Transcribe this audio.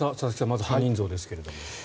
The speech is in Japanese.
まず犯人像ですが。